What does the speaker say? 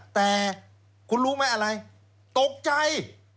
แต่คุณรู้ไหมอะไรตกใจ